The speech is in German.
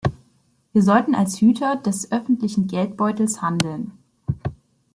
Wir sollten als Hüter des öffentlichen Geldbeutels handeln.